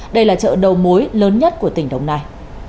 đây là chợ đầu mối lớn nhất của tỉnh đồng nai